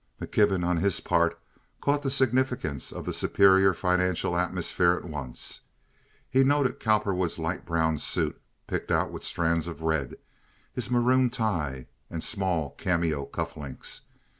McKibben, on his part, caught the significance of the superior financial atmosphere at once. He noted Cowperwood's light brown suit picked out with strands of red, his maroon tie, and small cameo cuff links.